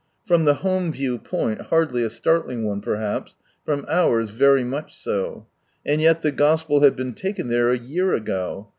From the home view point hardly a startling one, perhaps, from ours very much so. And yet the Gospel had been taken there a year ago.